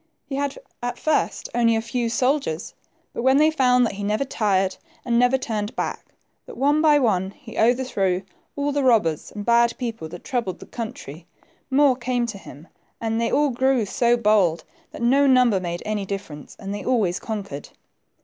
He had at first only a few soldiers, but when they found that he never tired and never turned back ; that one by one he overthrew all the robbers and bad people that troubled the country, more came to him, and they all grew so bold, that no number made any difference, and they always conquered.